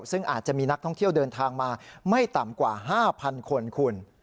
ซึ่งอาจจะมีนักท่องเที่ยวเดินทางมาไม่ต่ำกว่า๕๐๐คนคุณ